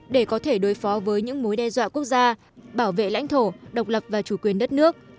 để có thể đối phó với những mối đe dọa quốc gia bảo vệ lãnh thổ độc lập và chủ quyền đất nước